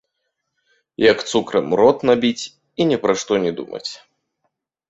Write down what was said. Як цукрам рот набіць і ні пра што не думаць.